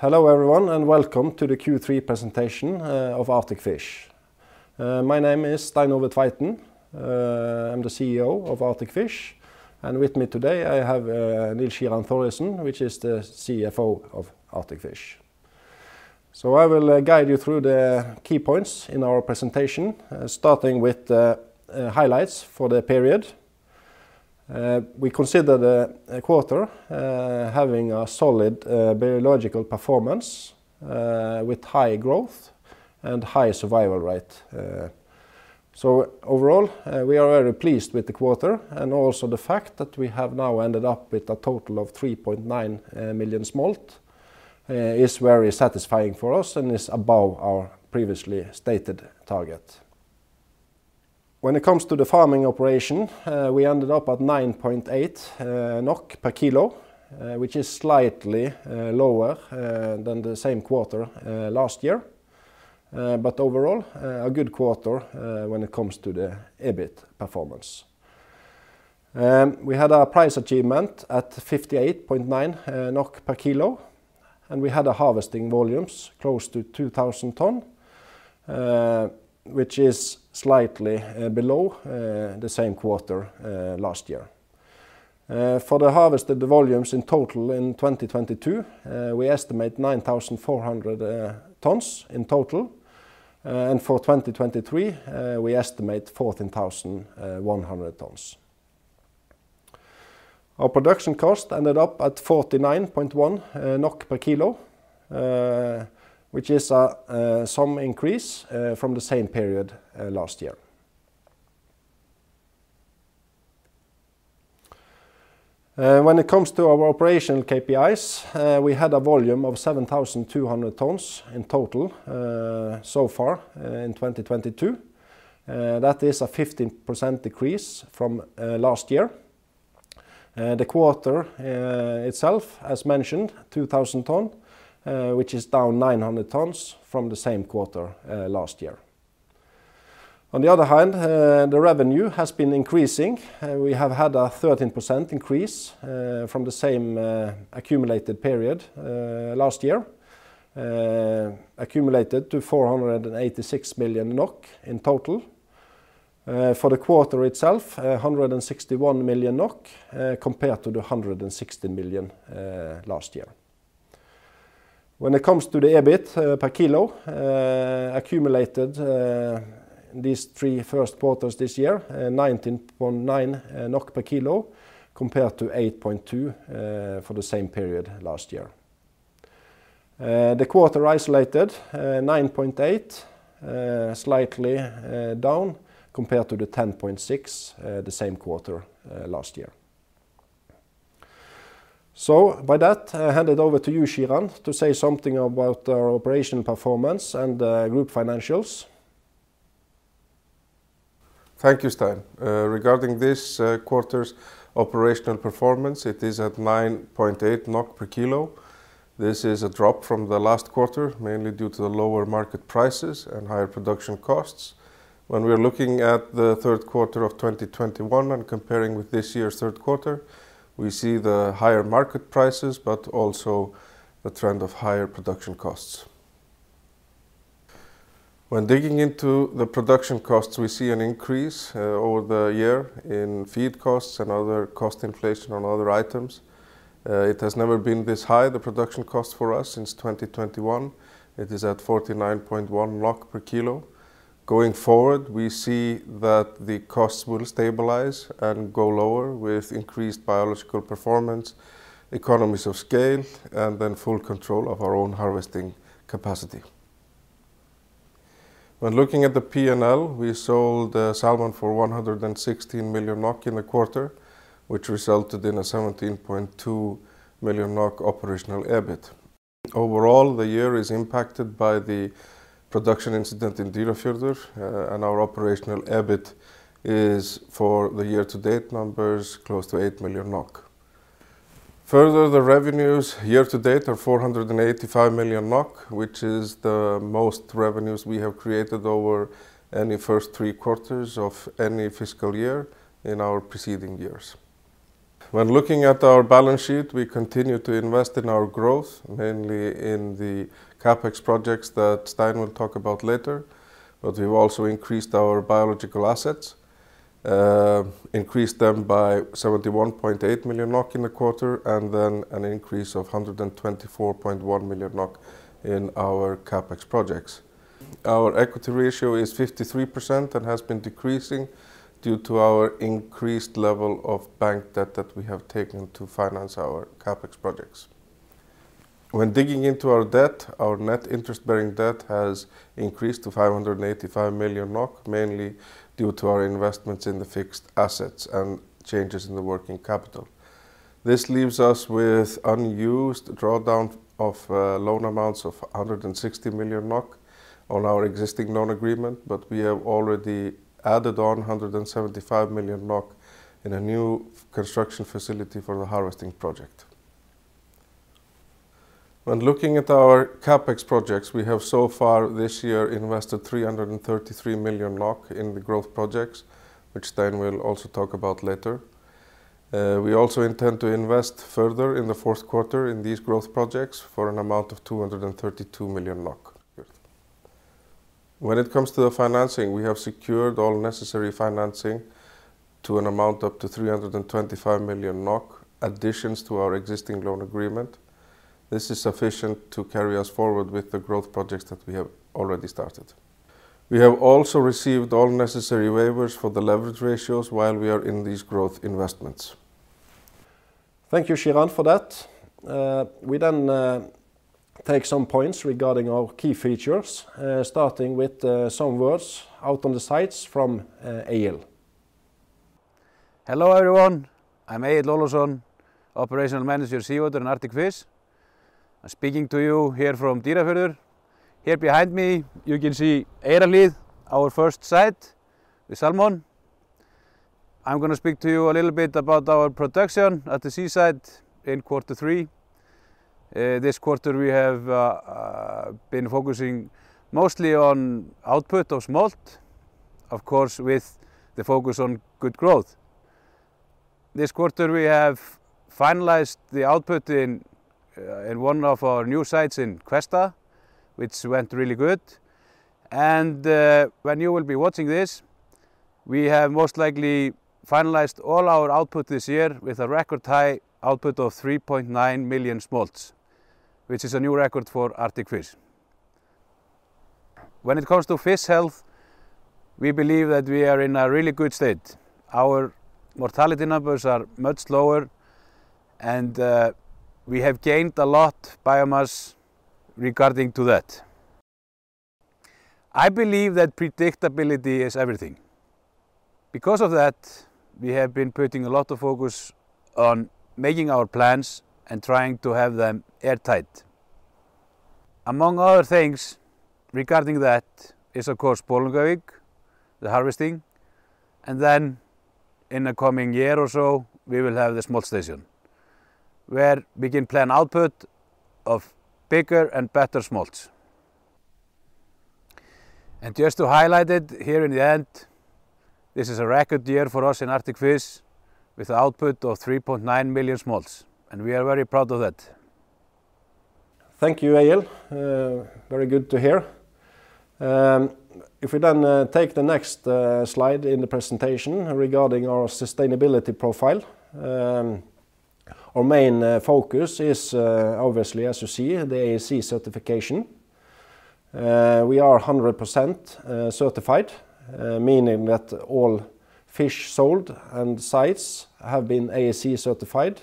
Hello everyone and welcome to the Q3 presentation of Arctic Fish. My name is Stein Ove Tveiten. I'm the CEO of Arctic Fish, and with me today, I have Nils Kjartan Þórðarson, which is the CFO of Arctic Fish. I will guide you through the key points in our presentation, starting with the highlights for the period. We consider the quarter having a solid biological performance with high growth and high survival rate. Overall, we are very pleased with the quarter and also the fact that we have now ended up with a total of 3.9 million smolt is very satisfying for us and is above our previously stated target. When it comes to the farming operation, we ended up at 9.8 NOK per kilo, which is slightly lower than the same quarter last year. Overall, a good quarter when it comes to the EBIT performance. We had our price achievement at 58.9 NOK per kilo, and we had a harvesting volumes close to 2,000 tons, which is slightly below the same quarter last year. For the harvested volumes in total in 2022, we estimate 9,400 tons in total. For 2023, we estimate 14,100 tons. Our production cost ended up at 49.1 NOK per kilo, which is some increase from the same period last year. When it comes to our operational KPIs, we had a volume of 7,200 tons in total, so far in 2022. That is a 15% decrease from last year. The quarter itself, as mentioned, 2,000 tons, which is down 900 tons from the same quarter last year. On the other hand, the revenue has been increasing. We have had a 13% increase from the same accumulated period last year, accumulated to 486 million NOK in total. For the quarter itself, 161 million NOK, compared to the 160 million last year. When it comes to the EBIT per kilo accumulated these three first quarters this year, 19.9 NOK per kilo compared to 8.2 for the same period last year. The quarter isolated, 9.8 slightly down compared to the 10.6 the same quarter last year. By that, I hand it over to you, Kjartan, to say something about our operational performance and group financials. Thank you, Stein. Regarding this quarter's operational performance, it is at 9.8 NOK per kilo. This is a drop from the last quarter, mainly due to the lower market prices and higher production costs. When we are looking at the third quarter of 2021 and comparing with this year's third quarter, we see the higher market prices, but also the trend of higher production costs. When digging into the production costs, we see an increase over the year in feed costs and other cost inflation on other items. It has never been this high, the production cost for us since 2021. It is at 49.1 NOK per kilo. Going forward, we see that the costs will stabilize and go lower with increased biological performance, economies of scale, and then full control of our own harvesting capacity. When looking at the P&L, we sold salmon for 116 million NOK in the quarter, which resulted in a 17.2 million NOK operational EBIT. Overall, the year is impacted by the production incident in Dýrafjörður, and our operational EBIT is, for the year-to-date numbers, close to 8 million NOK. Further, the revenues year to date are 485 million NOK, which is the most revenues we have created over any first three quarters of any fiscal year in our preceding years. When looking at our balance sheet, we continue to invest in our growth, mainly in the CapEx projects that Stein will talk about later. We've also increased our biological assets, increased them by 71.8 million NOK in the quarter, and then an increase of 124.1 million NOK in our CapEx projects. Our equity ratio is 53% and has been decreasing due to our increased level of bank debt that we have taken to finance our CapEx projects. When digging into our debt, our net interest-bearing debt has increased to 585 million NOK, mainly due to our investments in the fixed assets and changes in the working capital. This leaves us with unused drawdown of loan amounts of 160 million NOK on our existing loan agreement, but we have already added on 175 million NOK in a new construction facility for the harvesting project. When looking at our CapEx projects, we have so far this year invested 333 million in the growth projects, which Stein will also talk about later. We also intend to invest further in the fourth quarter in these growth projects for an amount of 232 million. When it comes to the financing, we have secured all necessary financing to an amount up to 325 million NOK additions to our existing loan agreement. This is sufficient to carry us forward with the growth projects that we have already started. We have also received all necessary waivers for the leverage ratios while we are in these growth investments. Thank you, Kjartan, for that. We take some points regarding our key features, starting with some words out on the sites from Egill. Hello, everyone. I'm Egill Ólason, Operational Manager, Seawater, Arctic Fish. I'm speaking to you here from Dýrafjörður. Here behind me, you can see Eyrarhlíð, our first site with salmon. I'm gonna speak to you a little bit about our production at the sea site in quarter three. This quarter we have been focusing mostly on output of smolt, of course, with the focus on good growth. This quarter we have finalized the output in one of our new sites in Hvesta, which went really good. When you will be watching this, we have most likely finalized all our output this year with a record high output of 3.9 million smolts, which is a new record for Arctic Fish. When it comes to fish health, we believe that we are in a really good state. Our mortality numbers are much lower, and we have gained a lot biomass regarding to that. I believe that predictability is everything. Because of that, we have been putting a lot of focus on making our plans and trying to have them airtight. Among other things regarding that is, of course, Bolungarvík, the harvesting, and then in the coming year or so, we will have the smolt station, where we can plan output of bigger and better smolts. Just to highlight it here in the end, this is a record year for us in Arctic Fish with output of 3.9 million smolts, and we are very proud of that. Thank you, Egill. Very good to hear. If we then take the next slide in the presentation regarding our sustainability profile, our main focus is obviously, as you see, the ASC certification. We are 100% certified, meaning that all fish sold and sites have been ASC certified,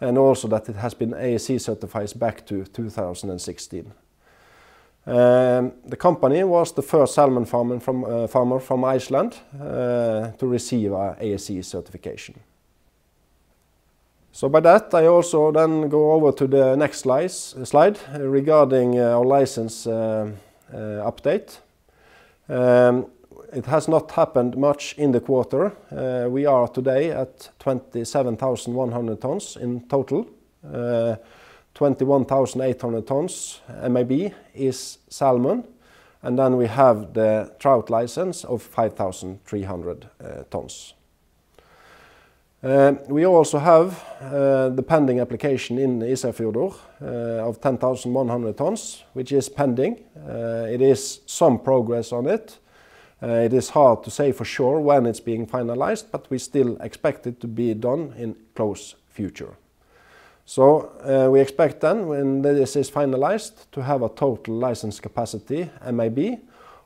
and also that it has been ASC certified back to 2016. The company was the first salmon farmer from Iceland to receive an ASC certification. By that, I also then go over to the next slide regarding our license update. It has not happened much in the quarter. We are today at 27,100 tons in total. 21,800 tons MAB is salmon, and then we have the trout license of 5,300 tons. We also have the pending application in Ísafjörður of 10,100 tons, which is pending. It is some progress on it. It is hard to say for sure when it's being finalized, but we still expect it to be done in close future. We expect then when this is finalized to have a total license capacity MAB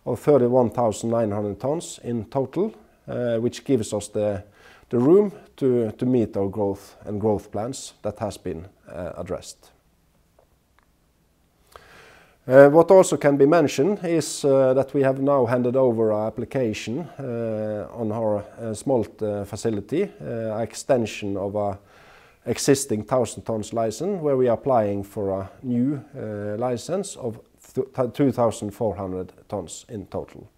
of 31,900 tons in total, which gives us the room to meet our growth plans that has been addressed. What also can be mentioned is that we have now handed over our application on our smolt facility extension of a existing 1,000 tons license, where we are applying for a new license of 2,400 tons in total.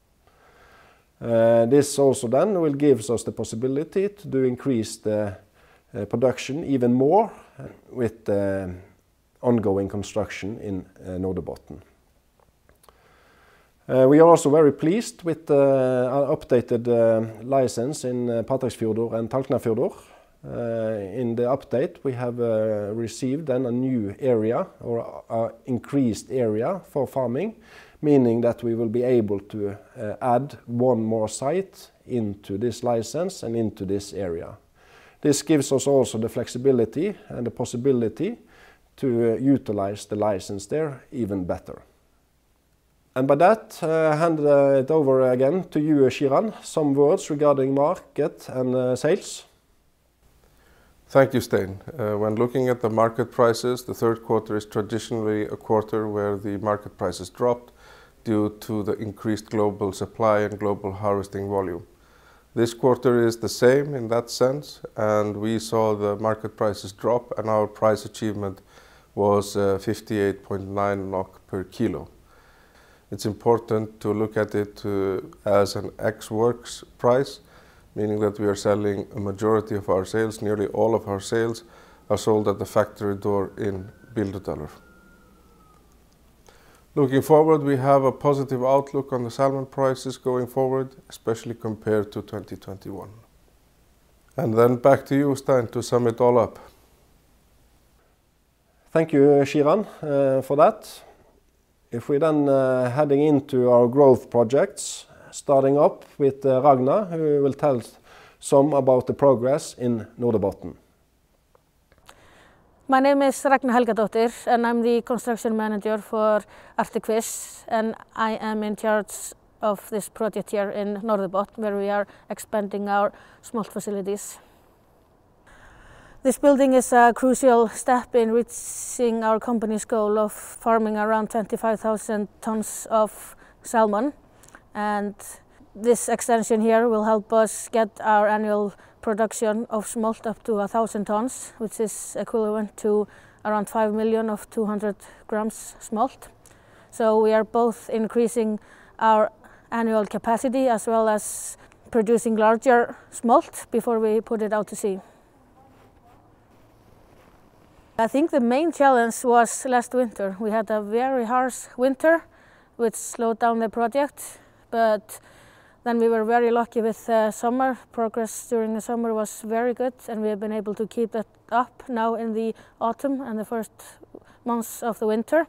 This also then will gives us the possibility to increase the production even more with the ongoing construction in Norðurbotn. We are also very pleased with our updated license in Patreksfjörður and Tálknafjörður. In the update, we have received then a new area or a increased area for farming, meaning that we will be able to add one more site into this license and into this area. This gives us also the flexibility and the possibility to utilize the license there even better. By that, I hand it over again to you, Kjartan. Some words regarding market and sales. Thank you, Stein. When looking at the market prices, the third quarter is traditionally a quarter where the market prices dropped due to the increased global supply and global harvesting volume. This quarter is the same in that sense, and we saw the market prices drop and our price achievement was 58.9 NOK per kilo. It's important to look at it too, as an ex-works price, meaning that we are selling a majority of our sales, nearly all of our sales are sold at the factory door in Bolungarvík. Looking forward, we have a positive outlook on the salmon prices going forward, especially compared to 2021. Then back to you, Stein, to sum it all up. Thank you, Kjartan, for that. If we then heading into our growth projects, starting up with Ragna, who will tell some about the progress in Norðurfjörður. My name is Ragna Helgadóttir, and I'm the Construction Manager for Arctic Fish, and I am in charge of this project here in Tálknafjörður where we are expanding our smolt facilities. This building is a crucial step in reaching our company's goal of farming around 25,000 tons of salmon, and this extension here will help us get our annual production of smolt up to 1,000 tons, which is equivalent to around 5 million of 200 grams smolt. We are both increasing our annual capacity as well as producing larger smolt before we put it out to sea. I think the main challenge was last winter. We had a very harsh winter, which slowed down the project, but then we were very lucky with the summer. Progress during the summer was very good, and we have been able to keep it up now in the autumn and the first months of the winter.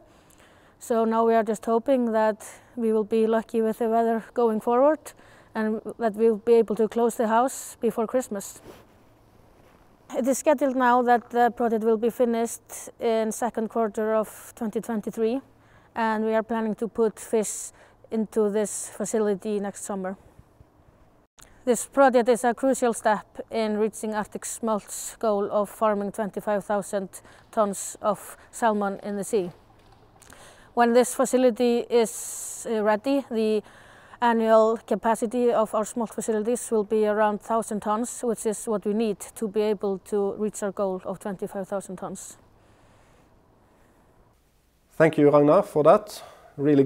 Now we are just hoping that we will be lucky with the weather going forward and that we'll be able to close the house before Christmas. It is scheduled now that the project will be finished in second quarter of 2023, and we are planning to put fish into this facility next summer. This project is a crucial step in reaching Arctic Smolt's goal of farming 25,000 tons of salmon in the sea. When this facility is ready, the annual capacity of our smolt facilities will be around 1,000 tons, which is what we need to be able to reach our goal of 25,000 tons. Thank you, Ragna, for that. Really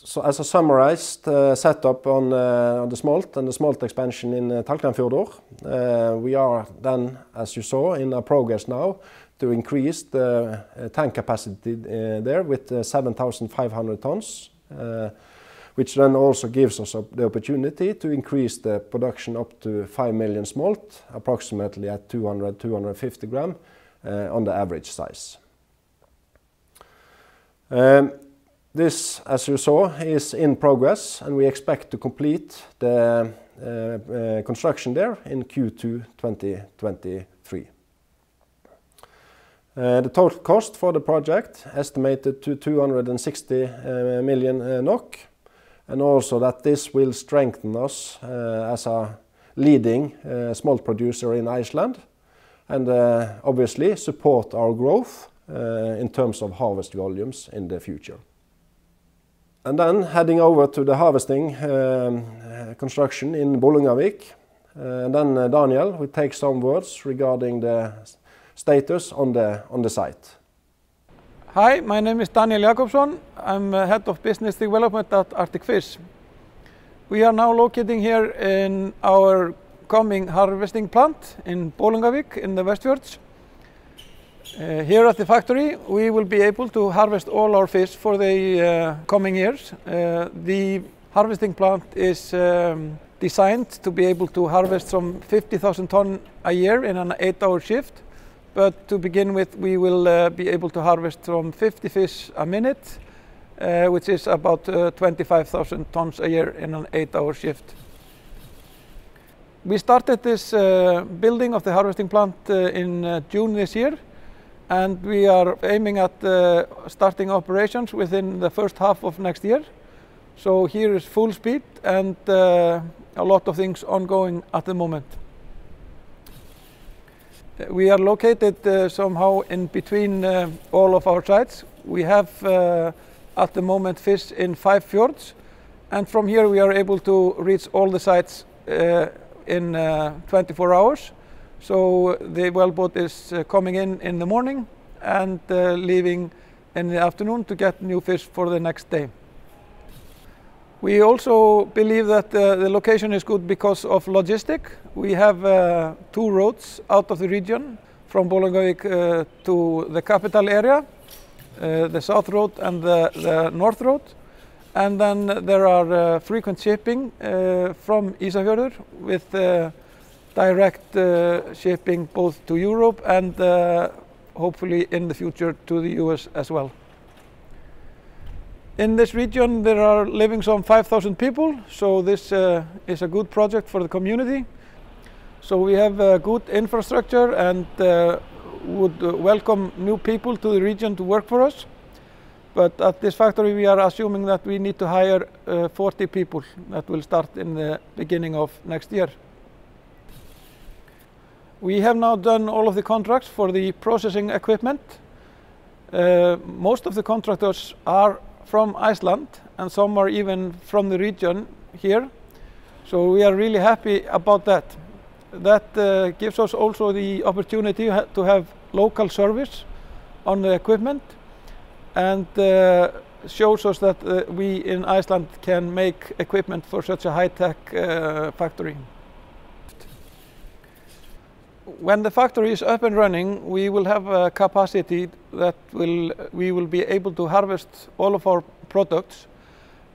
good to hear. As I summarized, the setup on the smolt and the smolt expansion in Tálknafjörður, we are then, as you saw, in progress now to increase the tank capacity there with 7,500 tons, which then also gives us the opportunity to increase the production up to 5 million smolt, approximately at 200-250 gram on the average size. This, as you saw, is in progress, and we expect to complete the construction there in Q2 2023. The total cost for the project estimated to 260 million NOK, and also that this will strengthen us as a leading smolt producer in Iceland and obviously support our growth in terms of harvest volumes in the future. Heading over to the harvesting construction in Bolungarvík, Daníel will take some words regarding the status on the site. Hi, my name is Daníel Jakobsson. I'm head of business development at Arctic Fish. We are now locating here in our coming harvesting plant in Bolungarvík in the Westfjords. Here at the factory, we will be able to harvest all our fish for the coming years. The harvesting plant is designed to be able to harvest some 50,000 tons a year in an eight-hour shift. To begin with, we will be able to harvest from 50 fish a minute, which is about 25,000 tons a year in an eight-hour shift. We started this building of the harvesting plant in June this year, and we are aiming at starting operations within the first half of next year. Here is full speed and a lot of things ongoing at the moment. We are located somehow in between all of our sites. We have at the moment fish in five fjords, and from here we are able to reach all the sites in 24 hours. The well boat is coming in in the morning and leaving in the afternoon to get new fish for the next day. We also believe that the location is good because of logistics. We have two roads out of the region from Bolungarvík to the capital area, the south road and the north road. Then there are frequent shipping from Ísafjörður with direct shipping both to Europe and hopefully in the future to the U.S. as well. In this region, there are living some 5,000 people, so this is a good project for the community. We have a good infrastructure and would welcome new people to the region to work for us. At this factory we are assuming that we need to hire 40 people that will start in the beginning of next year. We have now done all of the contracts for the processing equipment. Most of the contractors are from Iceland, and some are even from the region here. We are really happy about that. That gives us also the opportunity to have local service on the equipment, and shows us that we in Iceland can make equipment for such a high-tech factory. When the factory is up and running, we will have a capacity we will be able to harvest all of our products,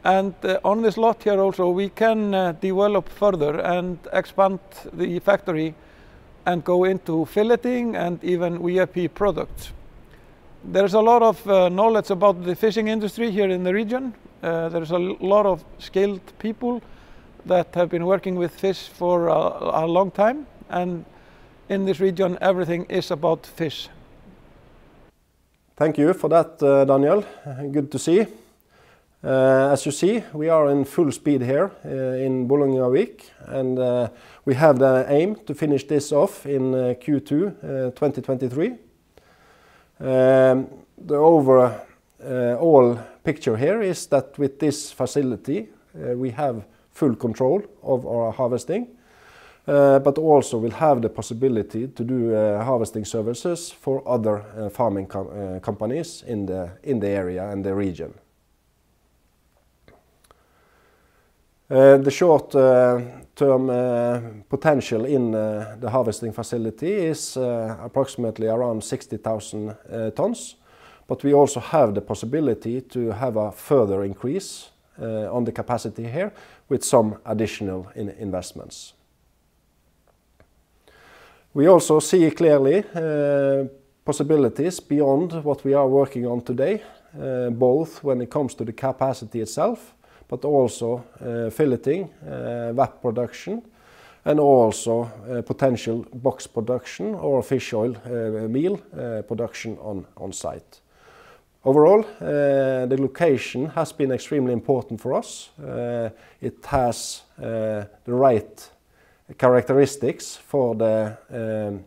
and on this lot here also we can develop further and expand the factory and go into filleting and even VAP products. There's a lot of knowledge about the fishing industry here in the region. There is a lot of skilled people that have been working with fish for a long time, and in this region, everything is about fish. Thank you for that, Daníel. Good to see. As you see, we are in full speed here in Bolungarvík, and we have the aim to finish this off in Q2 2023. The overall picture here is that with this facility, we have full control of our harvesting, but also we'll have the possibility to do harvesting services for other farming companies in the area and the region. The short-term potential in the harvesting facility is approximately 60,000 tons, but we also have the possibility to have a further increase on the capacity here with some additional investments. We also see clearly possibilities beyond what we are working on today, both when it comes to the capacity itself but also, filleting, VAP production, and also, potential box production or fish oil, meal, production on site. Overall, the location has been extremely important for us. It has the right characteristics for the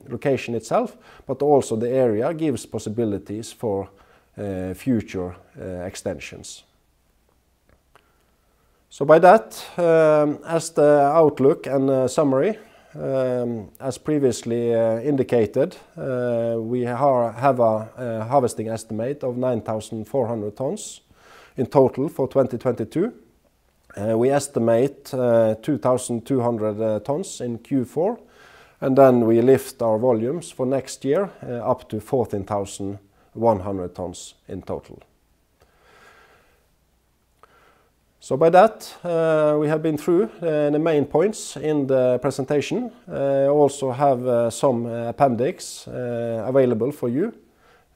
location itself, but also the area gives possibilities for future extensions. By that, as the outlook and summary, as previously indicated, we have a harvesting estimate of 9,400 tons in total for 2022. We estimate 2,200 tons in Q4, and then we lift our volumes for next year up to 14,100 tons in total. By that, we have been through the main points in the presentation. Also have some appendix available for you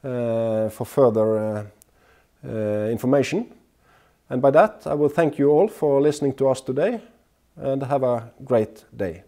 for further information. By that, I will thank you all for listening to us today and have a great day.